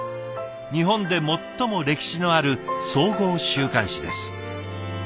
日本で最も歴史のある総合週刊誌です。